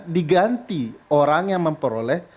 diganti orang yang memperoleh